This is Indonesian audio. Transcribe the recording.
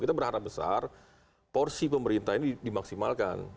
kita berharap besar porsi pemerintah ini dimaksimalkan